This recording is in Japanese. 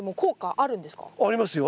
ありますよ。